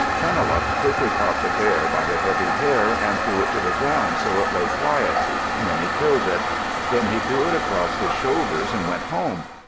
Chunuhluk quickly caught the bear by the heavy hair and threw it to the ground so it lay quiet. Then he killed it. Then he threw it across his shoulders and went home.